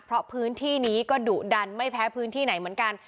เพราะพื้นที่นี้ก็ดุดันไม่แพ้พื้นที่ไหนเหมือนกัน